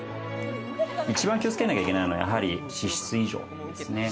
一番気をつけなきゃいけないのは、やはり脂質異常ですね。